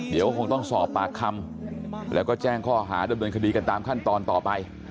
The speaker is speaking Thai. เดี๋ยวคงต้องสอบปากคำแล้วก็แจ้งข้อหาดำเนินคดีกันตามขั้นตอนต่อไป